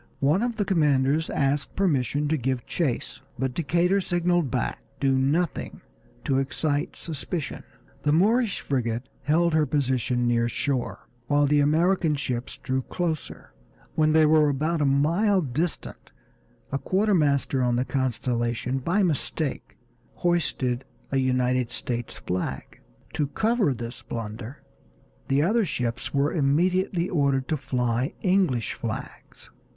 One of the commanders asked permission to give chase, but Decatur signaled back "Do nothing to excite suspicion." The Moorish frigate held her position near shore while the American ships drew closer. When they were about a mile distant a quartermaster on the Constellation, by mistake, hoisted a United States flag. To cover this blunder the other ships were immediately ordered to fly English flags.